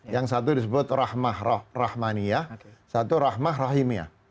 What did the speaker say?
yang satu disebut rahmah rahmaniah satu rahmah rahimiyah